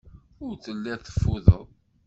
Ur telliḍ teffudeḍ.